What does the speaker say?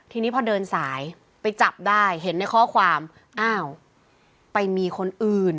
ทีนี้พอเดินสายไปจับได้เห็นในข้อความอ้าวไปมีคนอื่น